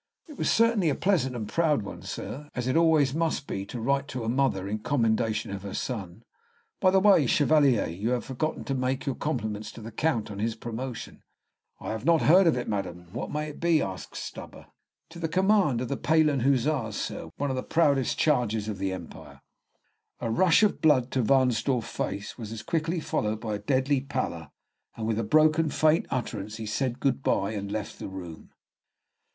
"It was certainly a pleasant and proud one, sir, as it always must be, to write to a mother in commendation of her son. By the way, Chevalier, you have forgotten to make your compliments to the Count on his promotion " "I have not heard of it, madam; what may it be?" asked Stubber. "To the command of the Pahlen Hussars, sir, one of the proudest 'charges' of the Empire." A rush of blood to Wahnsdorf's face was as quickly followed by a deadly pallor, and with a broken, faint utterance he said, "Good bye," and left the room.